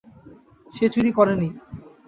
সে চুরি করেনি।